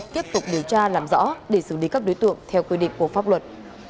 tiếp tục điều tra làm rõ để xử lý các đối tượng theo quy định của pháp luật